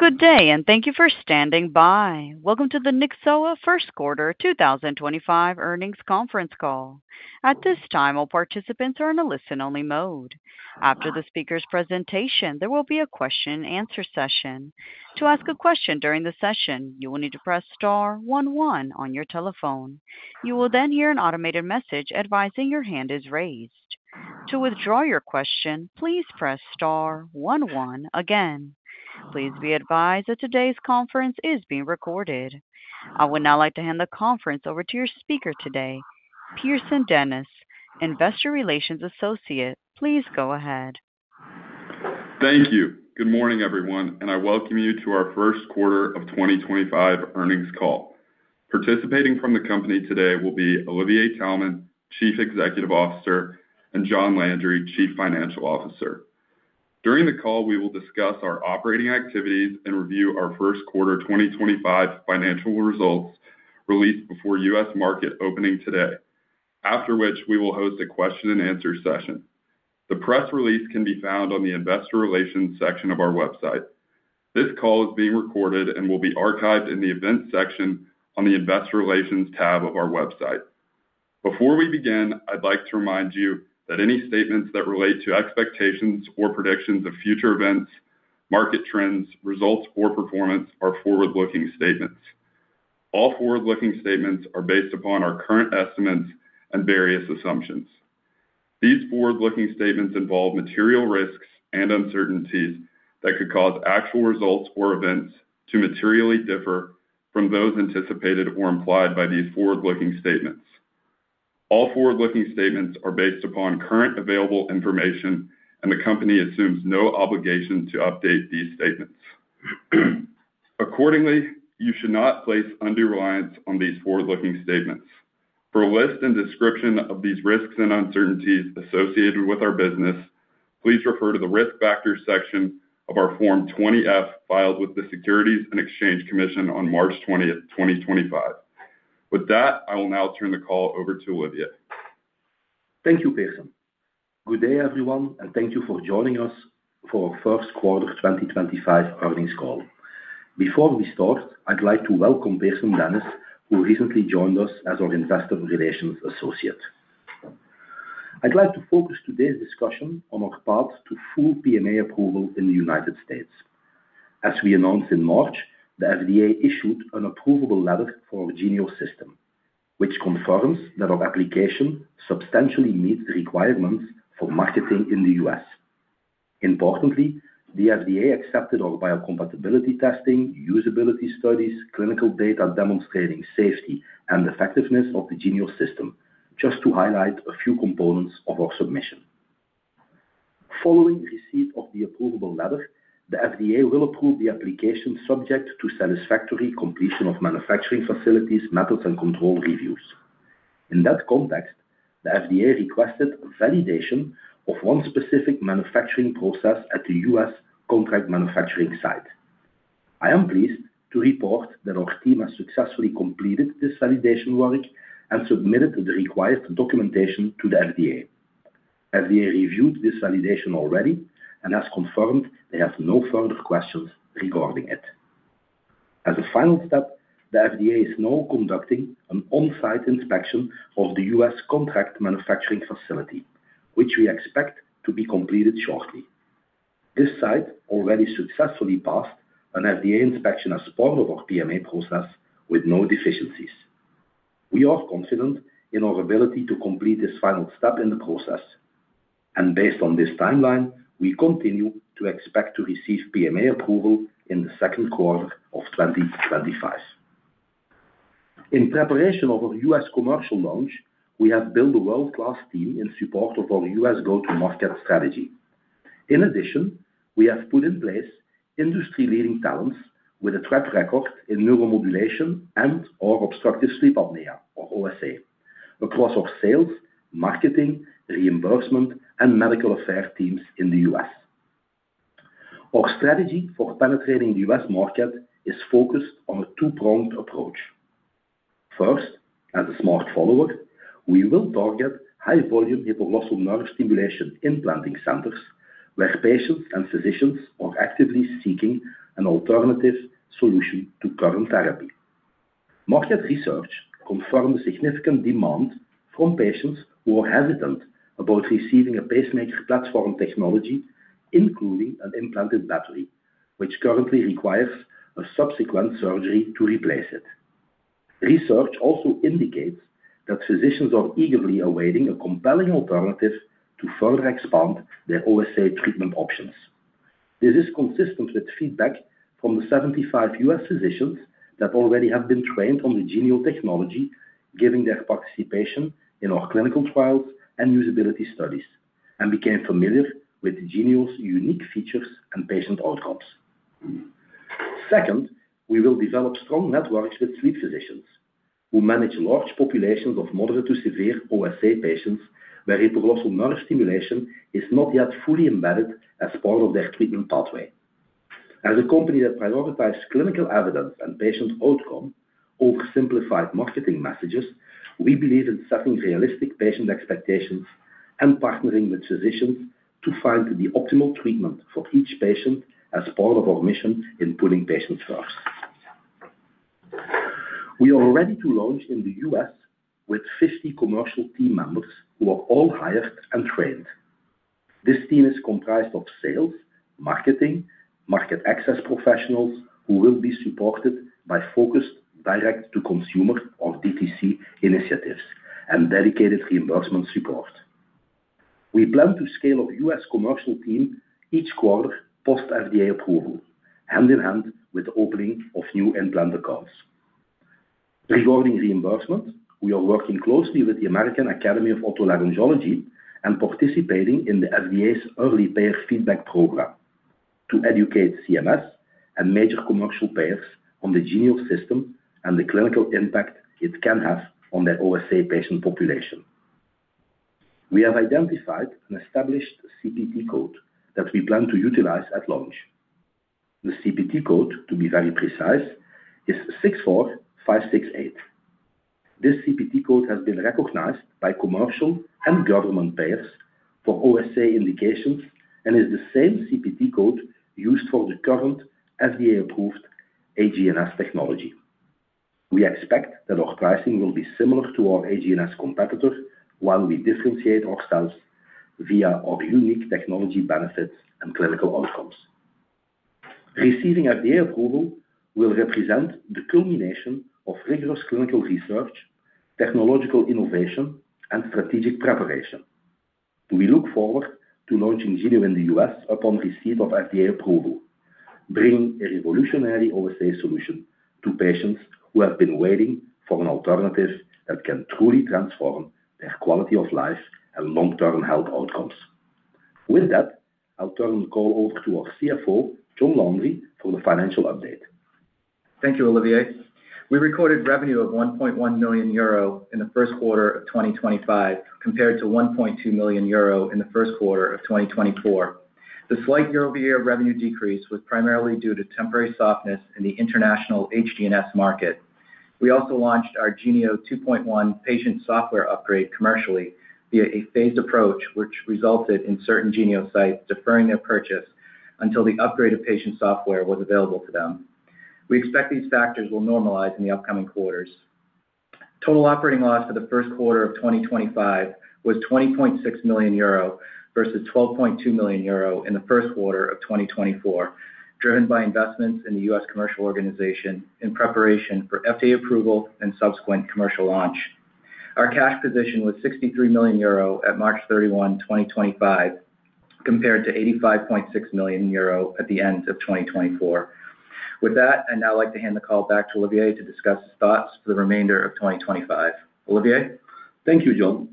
Good day, and thank you for standing by. Welcome to the Nyxoah First Quarter 2025 earnings conference call. At this time, all participants are in a listen-only mode. After the speaker's presentation, there will be a question-and-answer session. To ask a question during the session, you will need to press star one one on your telephone. You will then hear an automated message advising your hand is raised. To withdraw your question, please press star one one again. Please be advised that today's conference is being recorded. I would now like to hand the conference over to your speaker today, Pearson Dennis, Investor Relations Associate. Please go ahead. Thank you. Good morning, everyone, and I welcome you to our first quarter of 2025 earnings call. Participating from the company today will be Olivier Taelman, Chief Executive Officer, and John Landry, Chief Financial Officer. During the call, we will discuss our operating activities and review our first quarter 2025 financial results released before U.S. market opening today, after which we will host a question-and-answer session. The press release can be found on the Investor Relations section of our website. This call is being recorded and will be archived in the Events section on the Investor Relations tab of our website. Before we begin, I'd like to remind you that any statements that relate to expectations or predictions of future events, market trends, results, or performance are forward-looking statements. All forward-looking statements are based upon our current estimates and various assumptions. These forward-looking statements involve material risks and uncertainties that could cause actual results or events to materially differ from those anticipated or implied by these forward-looking statements. All forward-looking statements are based upon current available information, and the company assumes no obligation to update these statements. Accordingly, you should not place undue reliance on these forward-looking statements. For a list and description of these risks and uncertainties associated with our business, please refer to the Risk Factors section of our Form 20-F filed with the Securities and Exchange Commission on March 20, 2025. With that, I will now turn the call over to Olivier. Thank you, Pearson. Good day, everyone, and thank you for joining us for our first quarter 2025 earnings call. Before we start, I'd like to welcome Pearson Dennis, who recently joined us as our Investor Relations Associate. I'd like to focus today's discussion on our path to full PMA approval in the United States. As we announced in March, the FDA issued an approval letter for our Genio system, which confirms that our application substantially meets the requirements for marketing in the U.S. Importantly, the FDA accepted our biocompatibility testing, usability studies, and clinical data demonstrating safety and effectiveness of the Genio system, just to highlight a few components of our submission. Following receipt of the approval letter, the FDA will approve the application subject to satisfactory completion of manufacturing facilities, methods, and control reviews. In that context, the FDA requested validation of one specific manufacturing process at a U.S. Contract manufacturing site. I am pleased to report that our team has successfully completed this validation work and submitted the required documentation to the FDA. The FDA reviewed this validation already and has confirmed they have no further questions regarding it. As a final step, the FDA is now conducting an on-site inspection of the U.S. contract manufacturing facility, which we expect to be completed shortly. This site already successfully passed an FDA inspection as part of our PMA process with no deficiencies. We are confident in our ability to complete this final step in the process, and based on this timeline, we continue to expect to receive PMA approval in the second quarter of 2025. In preparation of our U.S. commercial launch, we have built a world-class team in support of our U.S. go-to-market strategy. In addition, we have put in place industry-leading talents with a track record in neuromodulation and or obstructive sleep apnea, or OSA, across our sales, marketing, reimbursement, and medical affairs teams in the U.S. Our strategy for penetrating the U.S. market is focused on a two-pronged approach. First, as a smart follower, we will target high-volume hypoglossal nerve stimulation implanting centers where patients and physicians are actively seeking an alternative solution to current therapy. Market research confirmed the significant demand from patients who are hesitant about receiving a pacemaker-platform technology, including an implanted battery, which currently requires a subsequent surgery to replace it. Research also indicates that physicians are eagerly awaiting a compelling alternative to further expand their OSA treatment options. This is consistent with feedback from the 75 U.S. Physicians that already have been trained on the Genio technology, given their participation in our clinical trials and usability studies, have become familiar with Genio's unique features and patient outcomes. Second, we will develop strong networks with sleep physicians who manage large populations of moderate to severe OSA patients where hypoglossal nerve stimulation is not yet fully embedded as part of their treatment pathway. As a company that prioritizes clinical evidence and patient outcome over simplified marketing messages, we believe in setting realistic patient expectations and partnering with physicians to find the optimal treatment for each patient as part of our mission in putting patients first. We are ready to launch in the U.S. with 50 commercial team members who are all hired and trained. This team is comprised of sales, marketing, and market access professionals who will be supported by focused direct-to-consumer or DTC, initiatives and dedicated reimbursement support. We plan to scale our U.S. commercial team each quarter post-FDA approval, hand in hand with the opening of new implanted centers. Regarding reimbursement, we are working closely with the American Academy of Otolaryngology and participating in the FDA's Early Payer Feedback Program to educate CMS and major commercial payers on the Genio system and the clinical impact it can have on their OSA patient population. We have identified and established a CPT code that we plan to utilize at launch. The CPT code, to be very precise, is 64568. This CPT code has been recognized by commercial and government payers for OSA indications and is the same CPT code used for the current FDA-approved AGNs technology. We expect that our pricing will be similar to our AGNS competitor while we differentiate ourselves via our unique technology benefits and clinical outcomes. Receiving FDA approval will represent the culmination of rigorous clinical research, technological innovation, and strategic preparation. We look forward to launching Genio in the U.S. upon receipt of FDA approval, bringing a revolutionary OSA solution to patients who have been waiting for an alternative that can truly transform their quality of life and long-term health outcomes. With that, I'll turn the call over to our CFO, John Landry, for the financial update. Thank you, Olivier. We recorded revenue of 1.1 million euro in the first quarter of 2025 compared to 1.2 million euro in the first quarter of 2024. The slight year-over-year revenue decrease was primarily due to temporary softness in the international HGNS market. We also launched our Genio 2.1 patient software upgrade commercially via a phased approach, which resulted in certain Genio sites deferring their purchase until the upgrade of patient software was available to them. We expect these factors will normalize in the upcoming quarters. Total operating loss for the first quarter of 2025 was 20.6 million euro versus 12.2 million euro in the first quarter of 2024, driven by investments in the U.S. commercial organization in preparation for FDA approval and subsequent commercial launch. Our cash position was 63 million euro at March 31, 2025, compared to 85.6 million euro at the end of 2024. With that, I'd now like to hand the call back to Olivier to discuss his thoughts for the remainder of 2025. Olivier? Thank you, John.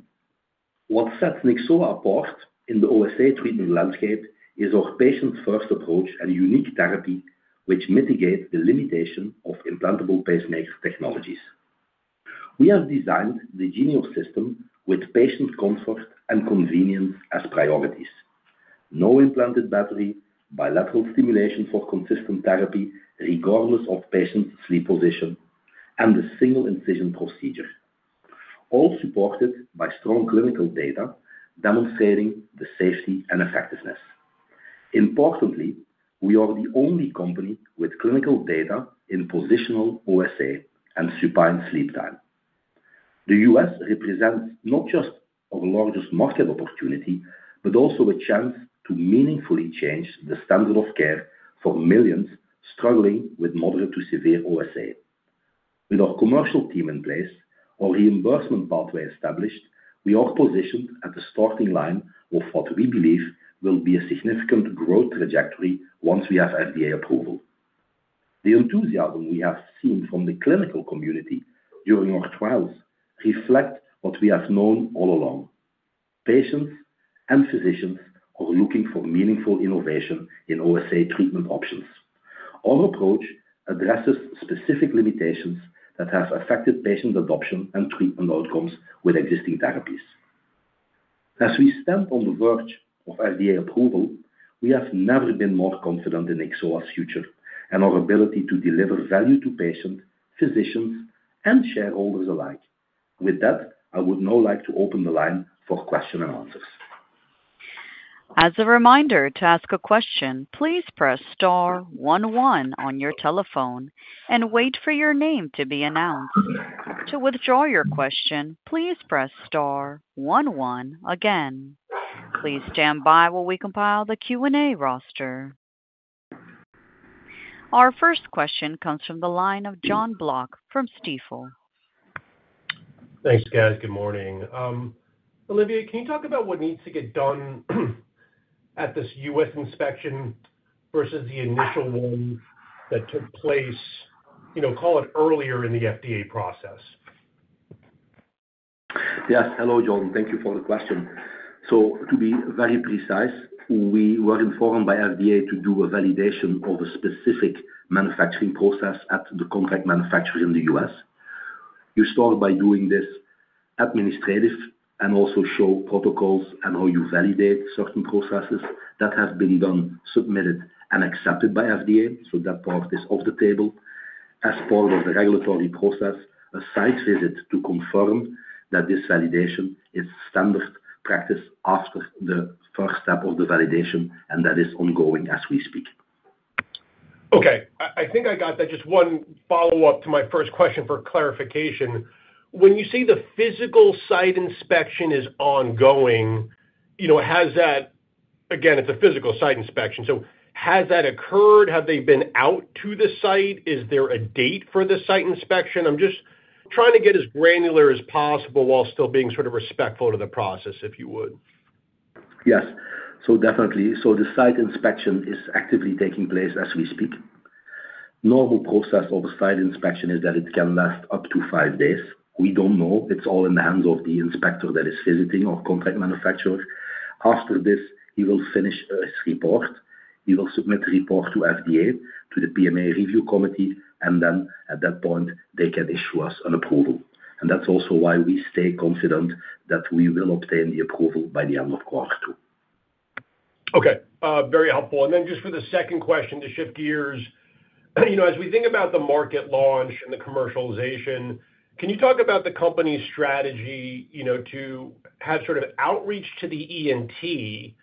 What sets Nyxoah apart in the OSA treatment landscape is our patient-first approach and unique therapy which mitigates the limitation of implantable pacemaker technologies. We have designed the Genio system with patient comfort and convenience as priorities: no implanted battery, bilateral stimulation for consistent therapy regardless of patient's sleep position, and a single-incision procedure, all supported by strong clinical data demonstrating the safety and effectiveness. Importantly, we are the only company with clinical data in positional OSA and supine sleep time. The U.S. represents not just our largest market opportunity but also a chance to meaningfully change the standard of care for millions struggling with moderate to severe OSA. With our commercial team in place and our reimbursement pathway established, we are positioned at the starting line of what we believe will be a significant growth trajectory once we have FDA approval. The enthusiasm we have seen from the clinical community during our trials reflects what we have known all along. Patients and physicians are looking for meaningful innovation in OSA treatment options. Our approach addresses specific limitations that have affected patient adoption and treatment outcomes with existing therapies. As we stand on the verge of FDA approval, we have never been more confident in Nyxoah's future and our ability to deliver value to patients, physicians, and shareholders alike. With that, I would now like to open the line for questions and answers. As a reminder to ask a question, please press star one one on your telephone and wait for your name to be announced. To withdraw your question, please press star one one again. Please stand by while we compile the Q&A roster. Our first question comes from the line of John Block from Stifel. Thanks, guys. Good morning. Olivier, can you talk about what needs to get done at this U.S. inspection versus the initial one that took place, you know, call it earlier in the FDA process? Yes. Hello, John. Thank you for the question. To be very precise, we were informed by FDA to do a validation of a specific manufacturing process at the contract manufacturer in the U.S. You start by doing this administrative and also show protocols and how you validate certain processes that have been done, submitted, and accepted by FDA. That part is off the table. As part of the regulatory process, a site visit to confirm that this validation is standard practice after the first step of the validation, and that is ongoing as we speak. Okay. I think I got that. Just one follow-up to my first question for clarification. When you say the physical site inspection is ongoing, you know, has that, again, it's a physical site inspection so has that occurred? Have they been out to the site? Is there a date for the site inspection? I'm just trying to get as granular as possible while still being sort of respectful of the process, if you would. Yes. Definitely. The site inspection is actively taking place as we speak. The normal process of a site inspection is that it can last up to five days. We do not know. It is all in the hands of the inspector that is visiting our contract manufacturer. After this, he will finish his report. He will submit the report to FDA, to the PMA review committee, and at that point, they can issue us an approval. That is also why we stay confident that we will obtain the approval by the end of quarter two. Okay. Very helpful. Then just for the second question, to shift gears, you know, as we think about the market launch and the commercialization, can you talk about the company's strategy, you know, to have sort of outreach to the ENT,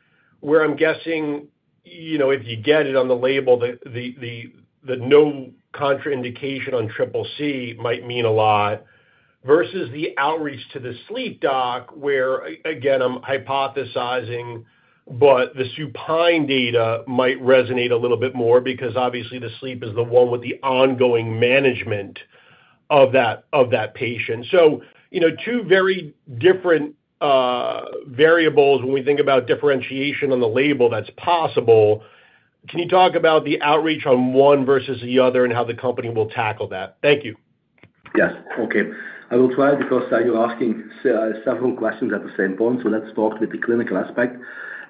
where I'm guessing, you know, if you get it on the label, the no contraindication on CCC might mean a lot, versus the outreach to the sleep doc, where, again, I'm hypothesizing, but the supine data might resonate a little bit more because, obviously, the sleep is the one with the ongoing management of that patient. Two very different variables when we think about differentiation on the label that's possible. Can you talk about the outreach on one versus the other and how the company will tackle that? Thank you. Yes. Okay. I will try because you're asking several questions at the same point, so let's start with the clinical aspect.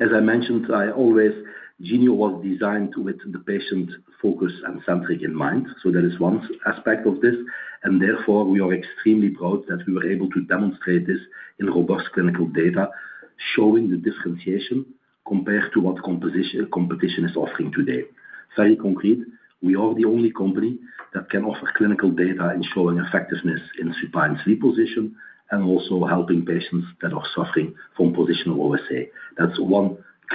As I mentioned, I always, Genio was designed with the patient focus and centric in mind. That is one aspect of this. Therefore, we are extremely proud that we were able to demonstrate this in robust clinical data showing the differentiation compared to what competition is offering today. Very concrete, we are the only company that can offer clinical data in showing effectiveness in supine sleep position and also helping patients that are suffering from positional OSA.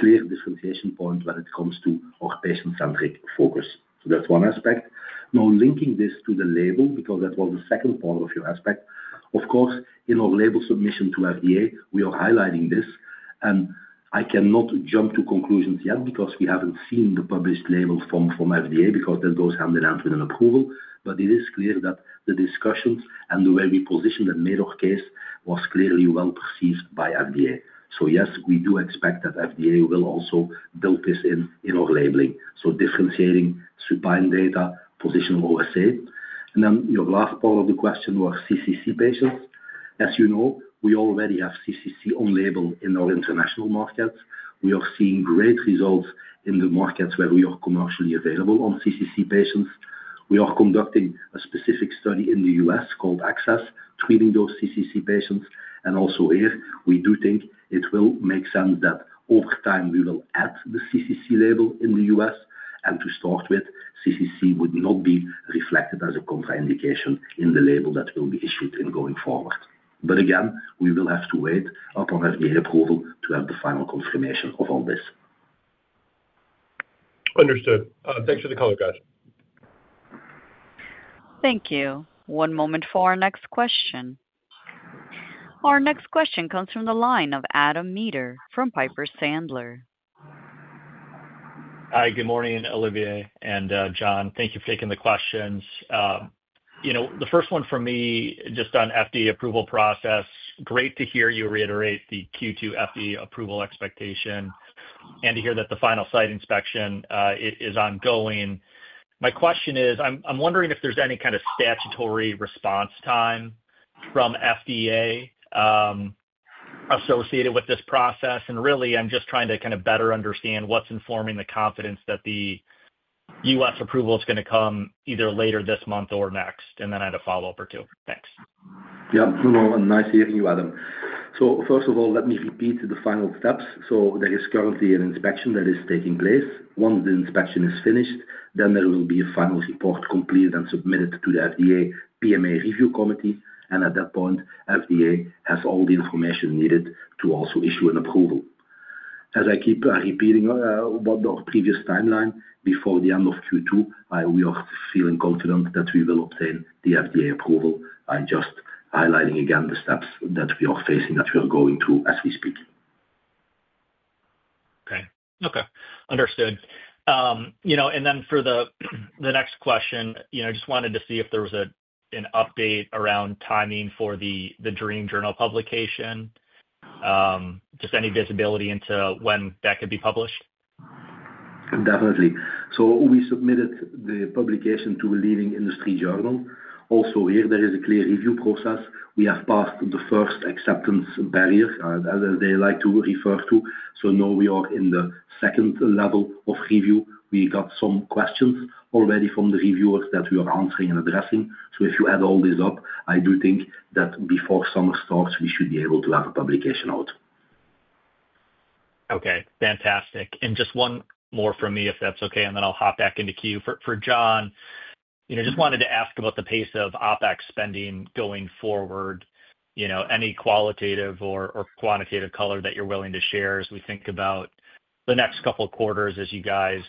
That's one clear differentiation point when it comes to our patient-centric focus. That's one aspect. Now, linking this to the label, because that was the second part of your aspect, of course, in our label submission to FDA, we are highlighting this. I cannot jump to conclusions yet because we have not seen the published label from FDA because that goes hand in hand with an approval. It is clear that the discussions and the way we positioned and made our case was clearly well perceived by FDA. Yes, we do expect that FDA will also build this in our labeling. Differentiating supine data, positional OSA. Your last part of the question was CCC patients. As you know, we already have CCC on label in our international markets. We are seeing great results in the markets where we are commercially available on CCC patients. We are conducting a specific study in the U.S. called ACCESS, treating those CCC patients. Also here, we do think it will make sense that over time we will add the CCC label in the U.S. To start with, CCC would not be reflected as a contraindication in the label that will be issued going forward. Again, we will have to wait upon FDA approval to have the final confirmation of all this. Understood. Thanks for the color, guys. Thank you. One moment for our next question. Our next question comes from the line of Adam Meader from Piper Sandler. Hi. Good morning, Olivier and John. Thank you for taking the questions. You know, the first one for me just on FDA approval process, great to hear you reiterate the Q2 FDA approval expectation and to hear that the final site inspection is ongoing. My question is, I'm wondering if there's any kind of statutory response time from FDA associated with this process. Really, I'm just trying to kind of better understand what's informing the confidence that the U.S. approval is going to come either later this month or next. I had a follow-up or two. Thanks. Yeah. Hello, and nice hearing you, Adam. First of all, let me repeat the final steps. There is currently an inspection that is taking place. Once the inspection is finished, there will be a final report completed and submitted to the FDA PMA review committee. At that point, FDA has all the information needed to also issue an approval. As I keep repeating about our previous timeline, before the end of Q2, we are feeling confident that we will obtain the FDA approval. I'm just highlighting again the steps that we are facing that we are going through as we speak. Okay. Okay. Understood. You know, and then for the next question, you know, I just wanted to see if there was an update around timing for the DREAM Journal publication. Just any visibility into when that could be published? Definitely. We submitted the publication to the leading industry journal. Also, here, there is a clear review process. We have passed the first acceptance barrier, as they like to refer to it. We are now in the second level of review. We got some questions already from the reviewers that we are answering and addressing. If you add all this up, I do think that before summer starts, we should be able to have a publication out. Okay. Fantastic. Just one more from me, if that's okay, and then I'll hop back into queue. For John, you know, just wanted to ask about the pace of OPEX spending going forward, you know, any qualitative or quantitative color that you're willing to share as we think about the next couple of quarters as you guys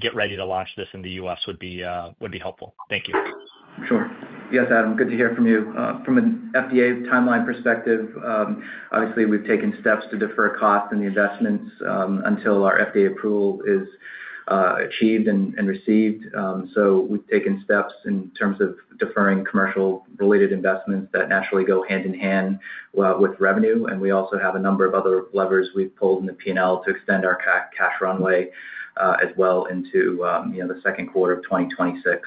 get ready to launch this in the U.S. would be helpful. Thank you. Sure. Yes, Adam. Good to hear from you. From an FDA timeline perspective, obviously, we've taken steps to defer costs and the investments until our FDA approval is achieved and received. We have taken steps in terms of deferring commercial-related investments that naturally go hand in hand with revenue. We also have a number of other levers we've pulled in the P&L to extend our cash runway as well into, you know, the second quarter of 2026.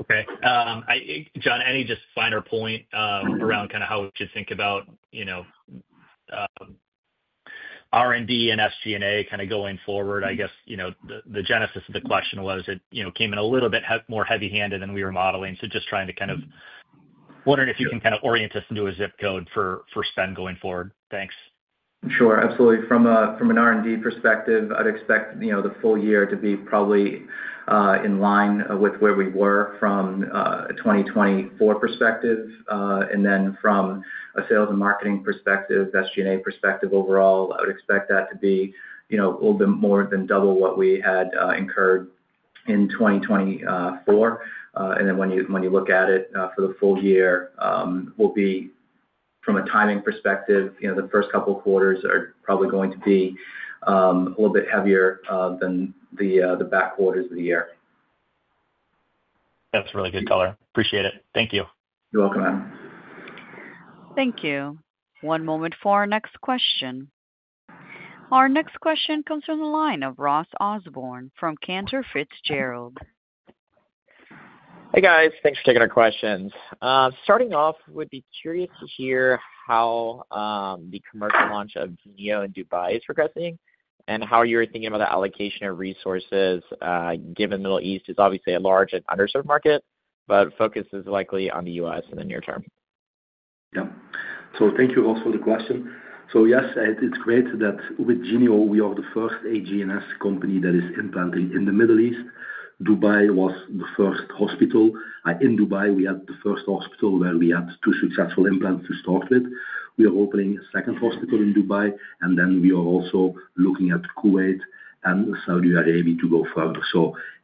Okay. John, any just finer point around kind of how we should think about, you know, R&D and SG&A kind of going forward? I guess, you know, the genesis of the question was it, you know, came in a little bit more heavy-handed than we were modeling. So just trying to kind of wondering if you can kind of orient us into a zip code for spend going forward. Thanks. Sure. Absolutely. From an R&D perspective, I'd expect, you know, the full year to be probably in line with where we were from a 2024 perspective. Then from a sales and marketing perspective, SG&A perspective overall, I would expect that to be, you know, a little bit more than double what we had incurred in 2024. When you look at it for the full year, we'll be, from a timing perspective, you know, the first couple of quarters are probably going to be a little bit heavier than the back quarters of the year. That's a really good color. Appreciate it. Thank you. You're welcome, Adam. Thank you. One moment for our next question. Our next question comes from the line of Ross Osborne from Cantor Fitzgerald. Hey, guys. Thanks for taking our questions. Starting off, we'd be curious to hear how the commercial launch of Genio in Dubai is progressing and how you're thinking about the allocation of resources, given the Middle East is obviously a large and underserved market, but focus is likely on the U.S. in the near term. Yeah. Thank you also for the question. Yes, it's great that with Genio, we are the first AGNs company that is implanted in the Middle East. Dubai was the first hospital. In Dubai, we had the first hospital where we had two successful implants to start with. We are opening a second hospital in Dubai, and we are also looking at Kuwait and Saudi Arabia to go further.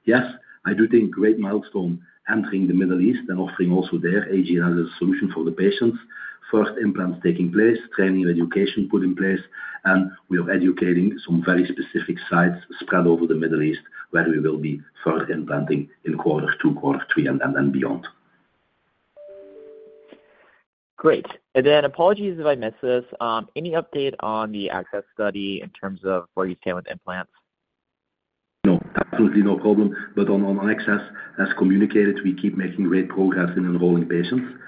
Yes, I do think great milestone entering the Middle East and offering also there AGNs as a solution for the patients. First implants taking place, training and education put in place, and we are educating some very specific sites spread over the Middle East where we will be further implanting in quarter two, quarter three, and then beyond. Great. Apologies if I missed this. Any update on the ACCESS study in terms of where you stand with implants? No. Absolutely no problem. On ACCESS, as communicated, we keep making great progress in enrolling patients.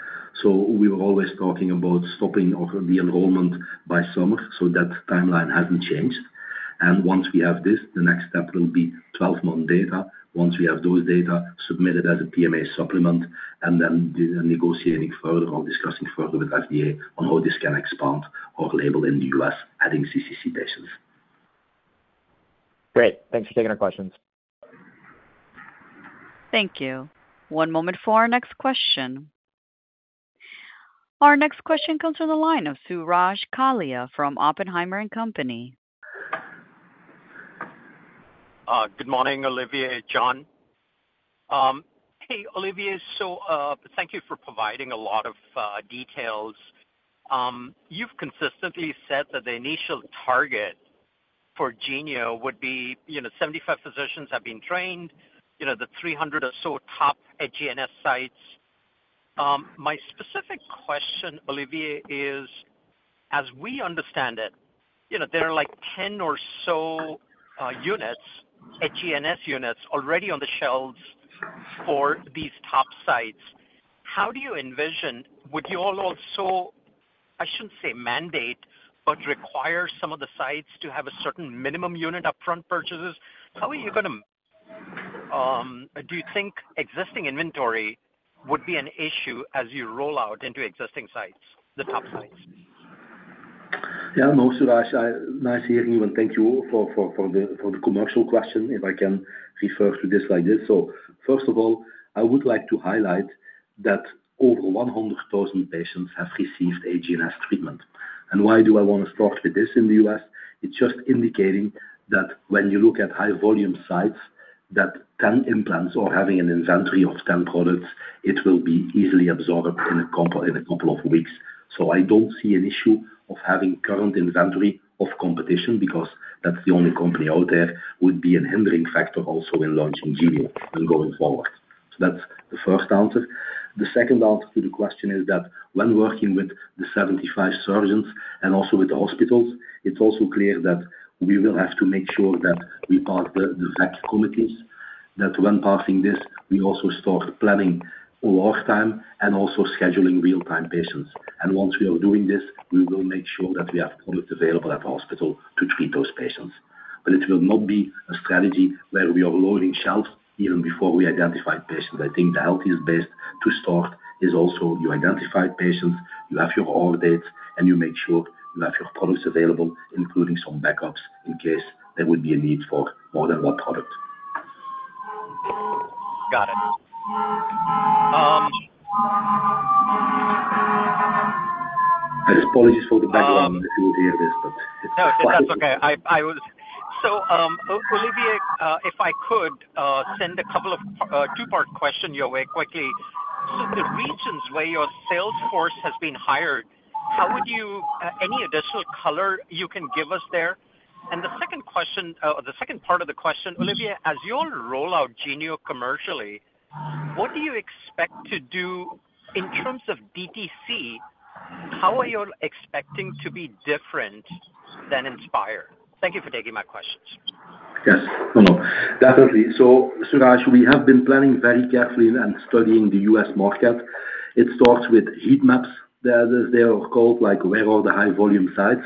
We were always talking about stopping the enrollment by summer. That timeline has not changed. Once we have this, the next step will be 12-month data. Once we have those data submitted as a PMA supplement, we will be negotiating further or discussing further with the FDA on how this can expand our label in the U.S., adding CCC patients. Great. Thanks for taking our questions. Thank you. One moment for our next question. Our next question comes from the line of Suraj Kalia from Oppenheimer & Company. Good morning, Olivier. John. Hey, Olivier, thank you for providing a lot of details. You've consistently said that the initial target for Genio would be, you know, 75 physicians have been trained, you know, the 300 or so top AGNs sites. My specific question, Olivier, is, as we understand it, you know, there are like 10 or so units, AGNs units, already on the shelves for these top sites. How do you envision? Would you all also, I shouldn't say mandate, but require some of the sites to have a certain minimum unit upfront purchases? How are you going to, do you think existing inventory would be an issue as you roll out into existing sites, the top sites? Yeah. No, Surajah, nice hearing you, and thank you for the commercial question if I can refer to this like this. First of all, I would like to highlight that over 100,000 patients have received AGNS treatment. Why do I want to start with this in the U.S.? It's just indicating that when you look at high-volume sites, that 10 implants or having an inventory of 10 products, it will be easily absorbed in a couple of weeks. I do not see an issue of having current inventory of competition because that's the only company out there would be a hindering factor also in launching Genio and going forward. That's the first answer. The second answer to the question is that when working with the 75 surgeons and also with the hospitals, it's also clear that we will have to make sure that we pass the VEC committees, that when passing this, we also start planning wartime and also scheduling real-time patients. Once we are doing this, we will make sure that we have products available at the hospital to treat those patients. It will not be a strategy where we are loading shelves even before we identify patients. I think the healthiest base to start is also you identify patients, you have your order dates, and you make sure you have your products available, including some backups in case there would be a need for more than one product. Got it. I apologize for the background if you would hear this, but. No, that's okay. Olivier, if I could send a couple of two-part questions your way quickly. The regions where your sales force has been hired, how would you, any additional color you can give us there? The second question, or the second part of the question, Olivier, as you all roll out Genio commercially, what do you expect to do in terms of DTC? How are you expecting to be different than Inspire? Thank you for taking my questions. Yes. Definitely. Surajah, we have been planning very carefully and studying the U.S. market. It starts with heat maps, as they are called, like where are the high-volume sites.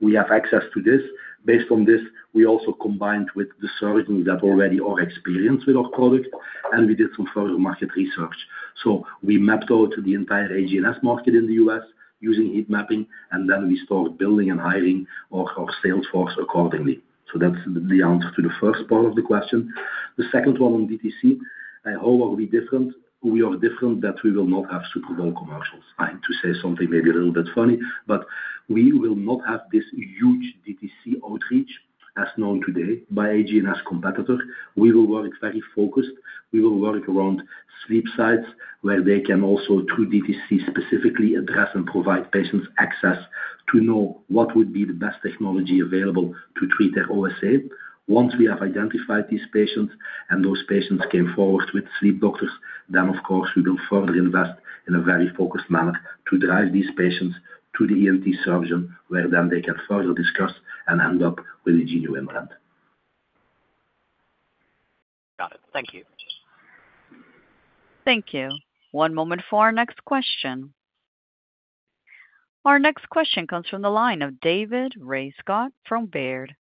We have access to this. Based on this, we also combined with the surgeons that already are experienced with our product, and we did some further market research. We mapped out the entire AGNs market in the U.S. using heat mapping, and then we start building and hiring our sales force accordingly. That is the answer to the first part of the question. The second one on DTC, how are we different? We are different that we will not have Super Bowl commercials. I'm to say something maybe a little bit funny, but we will not have this huge DTC outreach as known today by AGNs competitor. We will work very focused. We will work around sleep sites where they can also, through DTC, specifically address and provide patients access to know what would be the best technology available to treat their OSA. Once we have identified these patients and those patients came forward with sleep doctors, then, of course, we will further invest in a very focused manner to drive these patients to the ENT surgeon where then they can further discuss and end up with a Genio implant. Got it. Thank you. Thank you. One moment for our next question. Our next question comes from the line of David Ray Scott from Baird.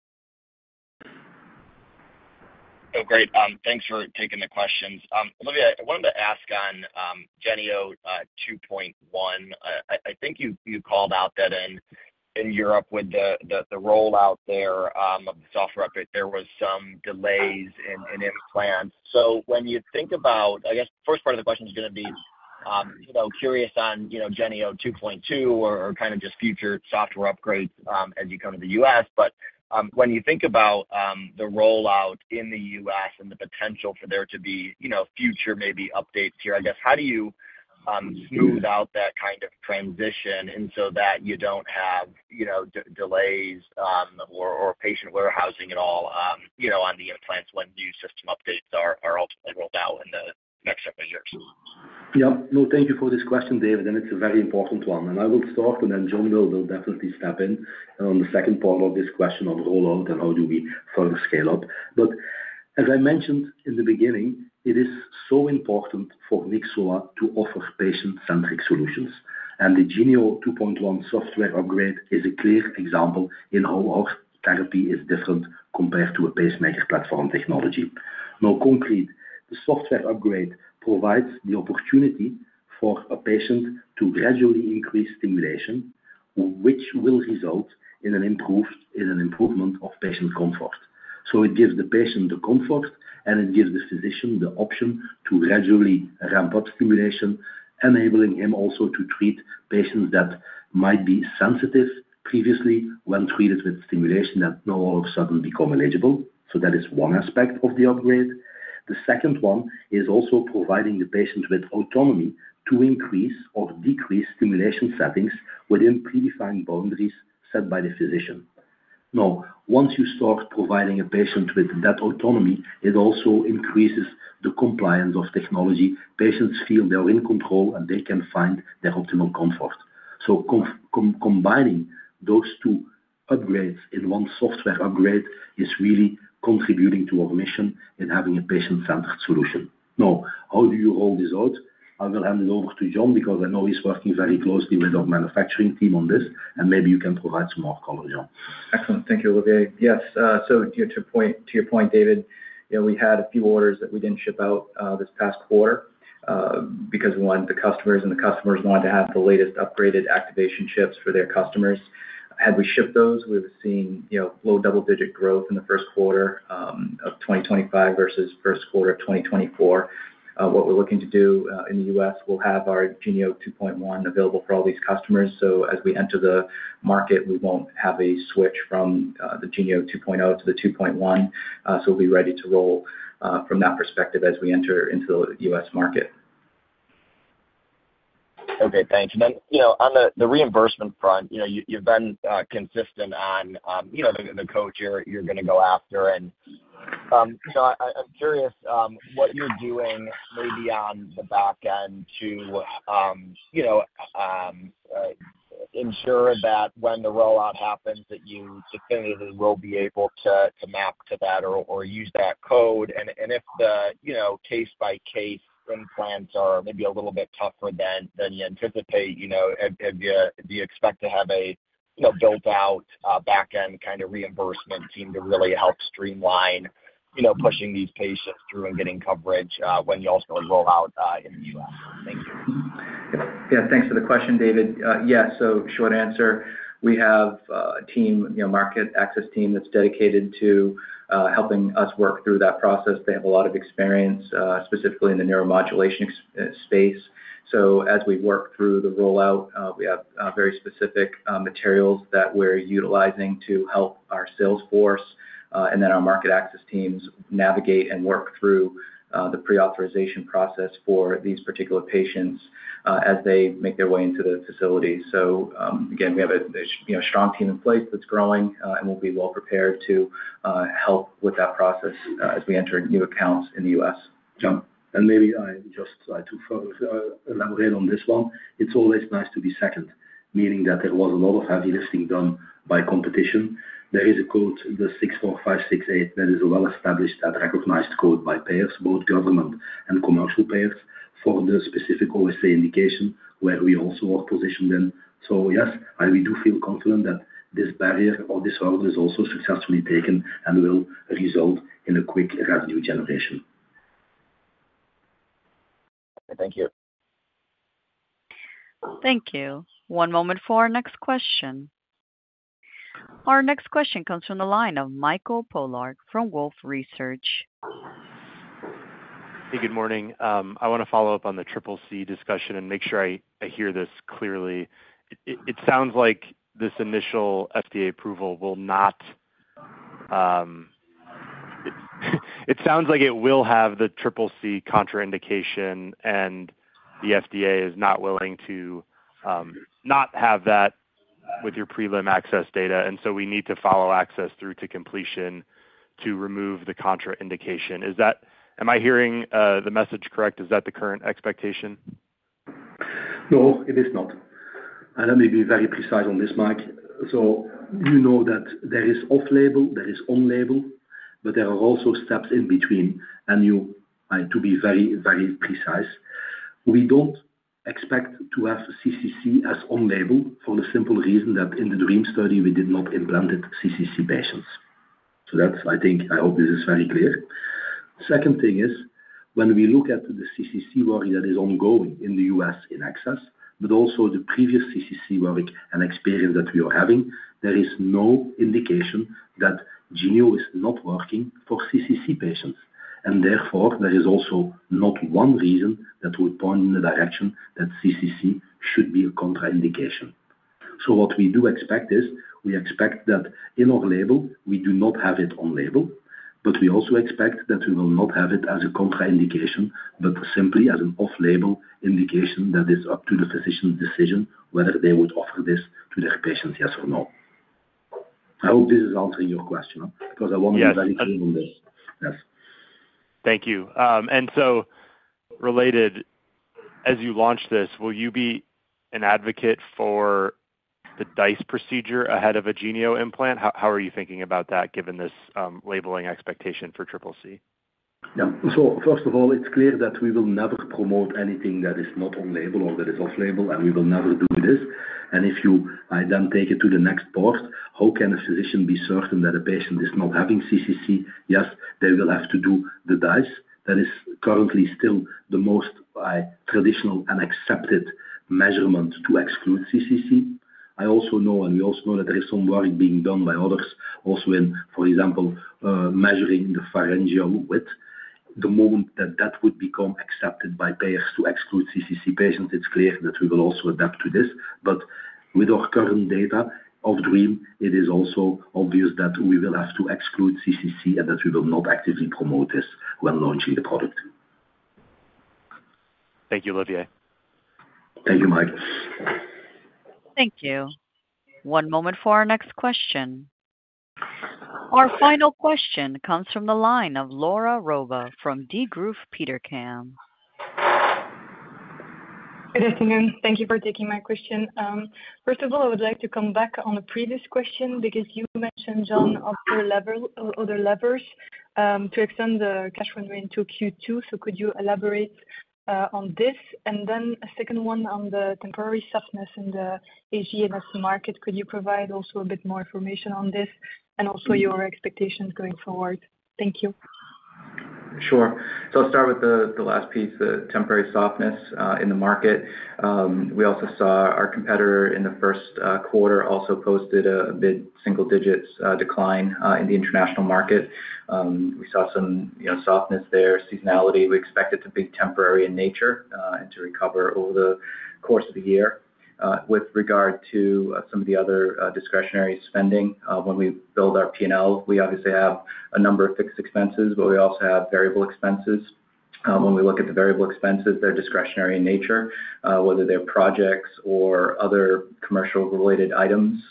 Hey, great. Thanks for taking the questions. Olivier, I wanted to ask on Genio 2.1. I think you called out that in Europe with the rollout there of the software update, there were some delays in implants. When you think about, I guess the first part of the question is going to be, you know, curious on, you know, Genio 2.2 or kind of just future software upgrades as you come to the U.S. When you think about the rollout in the U.S. and the potential for there to be, you know, future maybe updates here, I guess, how do you smooth out that kind of transition so that you do not have, you know, delays or patient warehousing at all, you know, on the implants when new system updates are ultimately rolled out in the next several years? Yep. No, thank you for this question, David, and it's a very important one. I will start, and then John will definitely step in on the second part of this question of rollout and how do we further scale up. As I mentioned in the beginning, it is so important for Nyxoah to offer patient-centric solutions, and the Genio 2.1 software upgrade is a clear example in how our therapy is different compared to a pacemaker platform technology. Now, concretely, the software upgrade provides the opportunity for a patient to gradually increase stimulation, which will result in an improvement of patient comfort. It gives the patient the comfort, and it gives the physician the option to gradually ramp up stimulation, enabling him also to treat patients that might be sensitive previously when treated with stimulation that now all of a sudden become eligible. That is one aspect of the upgrade. The second one is also providing the patient with autonomy to increase or decrease stimulation settings within predefined boundaries set by the physician. Now, once you start providing a patient with that autonomy, it also increases the compliance of technology. Patients feel they are in control, and they can find their optimal comfort. Combining those two upgrades in one software upgrade is really contributing to our mission in having a patient-centered solution. Now, how do you roll this out? I will hand it over to John because I know he's working very closely with our manufacturing team on this, and maybe you can provide some more color, John. Excellent. Thank you, Olivier. Yes. To your point, David, you know, we had a few orders that we did not ship out this past quarter because, one, the customers, and the customers wanted to have the latest upgraded activation chips for their customers. Had we shipped those, we were seeing, you know, low double-digit growth in the first quarter of 2025 versus first quarter of 2024. What we are looking to do in the U.S., we will have our Genio 2.1 available for all these customers. As we enter the market, we will not have a switch from the Genio 2.0 to the 2.1. We will be ready to roll from that perspective as we enter into the U.S. market. Okay. Thanks. And then, you know, on the reimbursement front, you know, you've been consistent on, you know, the code you're going to go after. And, you know, I'm curious what you're doing maybe on the back end to, you know, ensure that when the rollout happens, that you definitively will be able to map to that or use that code. And if the, you know, case-by-case implants are maybe a little bit tougher than you anticipate, you know, do you expect to have a, you know, built-out back-end kind of reimbursement team to really help streamline, you know, pushing these patients through and getting coverage when you also roll out in the U.S.? Thank you. Yeah. Thanks for the question, David. Yeah. Short answer, we have a team, you know, market access team that's dedicated to helping us work through that process. They have a lot of experience, specifically in the neuromodulation space. As we work through the rollout, we have very specific materials that we're utilizing to help our sales force and then our market access teams navigate and work through the pre-authorization process for these particular patients as they make their way into the facility. Again, we have a strong team in place that's growing, and we'll be well prepared to help with that process as we enter new accounts in the U.S. Maybe just to further elaborate on this one, it's always nice to be second, meaning that there was a lot of heavy lifting done by competition. There is a code, the 64568, that is a well-established and recognized code by payers, both government and commercial payers, for the specific OSA indication where we also are positioned in. Yes, I do feel confident that this barrier or this order is also successfully taken and will result in a quick revenue generation. Thank you. Thank you. One moment for our next question. Our next question comes from the line of Michael Polark from Wolfe Research. Hey, good morning. I want to follow up on the CCC discussion and make sure I hear this clearly. It sounds like this initial FDA approval will not, it sounds like it will have the CCC contraindication, and the FDA is not willing to not have that with your prelim ACCESS data. And so we need to follow ACCESS through to completion to remove the contraindication. Is that, am I hearing the message correct? Is that the current expectation? No, it is not. Let me be very precise on this, Mike. You know that there is off-label, there is on-label, but there are also steps in between. To be very, very precise, we do not expect to have CCC as on-label for the simple reason that in the DREAM study, we did not implant CCC patients. I think, I hope this is very clear. The second thing is, when we look at the CCC work that is ongoing in the U.S. in ACCESS, but also the previous CCC work and experience that we are having, there is no indication that Genio is not working for CCC patients. Therefore, there is also not one reason that would point in the direction that CCC should be a contraindication. What we do expect is we expect that in our label, we do not have it on-label, but we also expect that we will not have it as a contraindication, but simply as an off-label indication that is up to the physician's decision whether they would offer this to their patients, yes or no. I hope this is answering your question because I want to be very clear on this. Yes. Thank you. And so related, as you launch this, will you be an advocate for the DISE procedure ahead of a Genio implant? How are you thinking about that given this labeling expectation for CCC? Yeah. First of all, it's clear that we will never promote anything that is not on-label or that is off-label, and we will never do this. If you then take it to the next part, how can a physician be certain that a patient is not having CCC? Yes, they will have to do the DISE. That is currently still the most traditional and accepted measurement to exclude CCC. I also know, and we also know that there is some work being done by others also in, for example, measuring the pharyngeal width. The moment that that would become accepted by payers to exclude CCC patients, it's clear that we will also adapt to this. With our current data of DREAM, it is also obvious that we will have to exclude CCC and that we will not actively promote this when launching the product. Thank you, Olivier. Thank you, Mike. Thank you. One moment for our next question. Our final question comes from the line of Laura Roba from Degroof Petercam. Good afternoon. Thank you for taking my question. First of all, I would like to come back on a previous question because you mentioned, John, other levers to extend the cash runway into Q2. Could you elaborate on this? A second one on the temporary softness in the AGNS market. Could you provide also a bit more information on this and also your expectations going forward? Thank you. Sure. I'll start with the last piece, the temporary softness in the market. We also saw our competitor in the first quarter also posted a mid-single digit % decline in the international market. We saw some softness there, seasonality. We expect it to be temporary in nature and to recover over the course of the year. With regard to some of the other discretionary spending, when we build our P&L, we obviously have a number of fixed expenses, but we also have variable expenses. When we look at the variable expenses, they're discretionary in nature, whether they're projects or other commercial-related items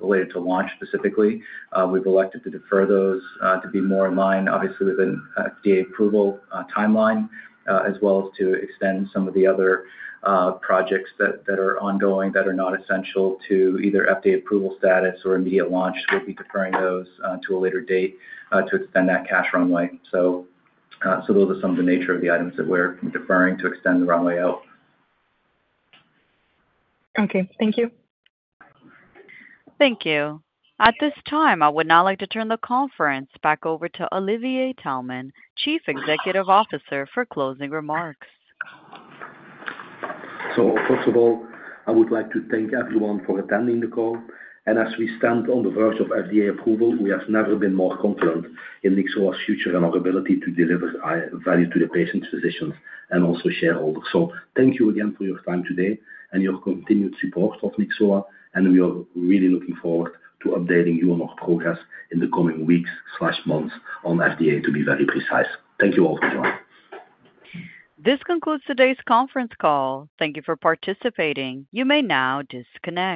related to launch specifically. We've elected to defer those to be more in line, obviously, with an FDA approval timeline, as well as to extend some of the other projects that are ongoing that are not essential to either FDA approval status or immediate launch. We'll be deferring those to a later date to extend that cash runway. Those are some of the nature of the items that we're deferring to extend the runway out. Okay. Thank you. Thank you. At this time, I would now like to turn the conference back over to Olivier Taelman, Chief Executive Officer, for closing remarks. First of all, I would like to thank everyone for attending the call. As we stand on the verge of FDA approval, we have never been more confident in Nyxoah's future and our ability to deliver value to the patients, physicians, and also shareholders. Thank you again for your time today and your continued support of Nyxoah, and we are really looking forward to updating you on our progress in the coming weeks/months on FDA, to be very precise. Thank you all for joining. This concludes today's conference call. Thank you for participating. You may now disconnect.